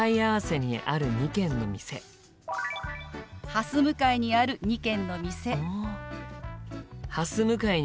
はす向かいにある２軒の店。